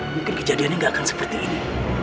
mungkin kejadiannya nggak akan seperti ini